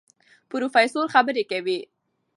پروفېسر خبرې کوي.